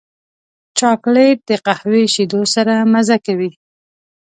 چاکلېټ د قهوې شیدو سره مزه کوي.